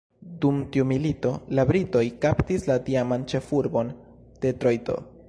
Dum tiu milito, la Britoj kaptis la tiaman ĉefurbon, Detrojto.